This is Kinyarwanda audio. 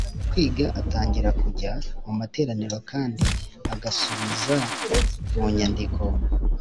kwiga atangira kujya mu materaniro kandi agasubiza munyandiko